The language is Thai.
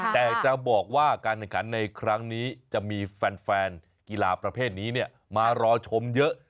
แต่จะบอกว่าการแข่งขันในครั้งนี้จะมีแฟนกีฬาประเภทนี้มารอชมเยอะ